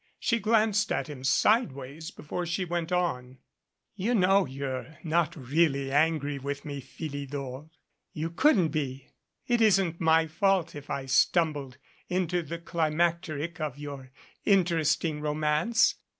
She glanced at him sideways before she went on. "You know you're not really angry with me, Phili dor. You couldn't be. It isn't my fault if I stumbled into the climacteric of your interesting romance.